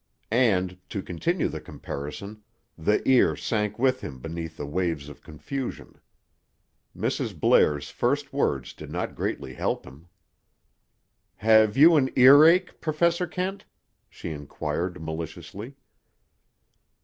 And—to continue the comparison—the ear sank with him beneath the waves of confusion. Mrs. Blair's first words did not greatly help him. "Have you an earache, Professor Kent?" she inquired maliciously.